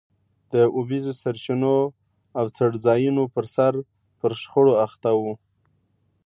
د اوبیزو سرچینو او څړځایونو پرسر پر شخړو اخته وو.